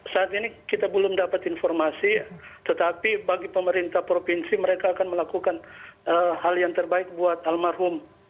saat ini kita belum dapat informasi tetapi bagi pemerintah provinsi mereka akan melakukan hal yang terbaik buat almarhum